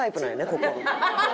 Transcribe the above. ここ。